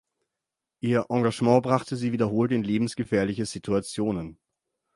Ihr Engagement brachte sie wiederholt in lebensgefährliche Situationen.